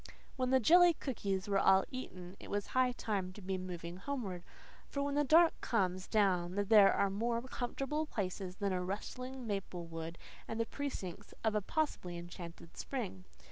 When the jelly cookies were all eaten it was high time to be moving homeward, for when the dark comes down there are more comfortable places than a rustling maple wood and the precincts of a possibly enchanted spring.